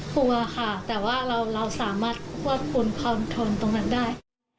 กลัวค่ะแต่ว่าเราสามารถควบคุมความทนตรงนั้นได้